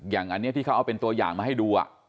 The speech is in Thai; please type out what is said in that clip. อย่างอันนี้ที่เขาเอาเป็นตัวอย่างมาให้ดู